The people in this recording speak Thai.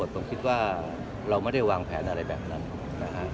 ผมคิดว่าเราไม่ได้วางแผนอะไรแบบนั้นนะฮะ